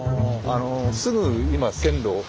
すぐ今線路